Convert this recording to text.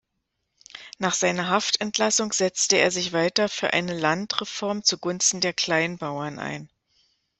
Nach seiner Haftentlassung setzte er sich weiter für eine Landreform zugunsten der Kleinbauern ein.